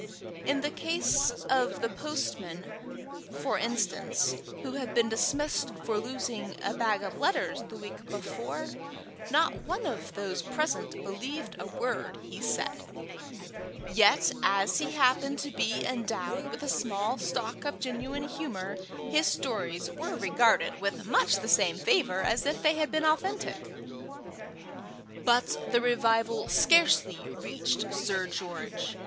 In the case of the postman, for instance, who had been dismissed for losing a bag of letters the week before, not one of those present believed a word he said; yet as he happened to be endowed with a small stock of genuine humour, his stories were regarded with much the same favour as if they had been authentic. But the revival scarcely reached Sir George.